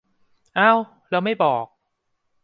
เอ้า แล้วไม่บอก